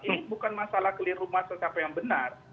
ini bukan masalah keliru masalah apa yang benar